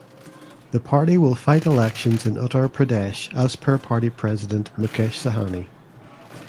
The Party will fight Elections in Uttar Pradesh as per Party President Mukesh Sahani.